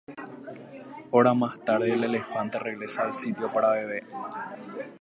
Horas más tarde el elefante regresa al sitio para beber.